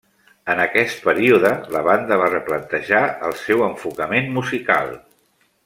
En aquest període la banda va replantejar el seu enfocament musical.